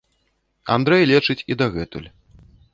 Андрэй лечыць і дагэтуль.